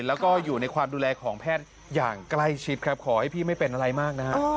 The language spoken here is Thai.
แล้วก็อยู่ในความดูแลของแพทย์อย่างใกล้ชิดครับขอให้พี่ไม่เป็นอะไรมากนะฮะ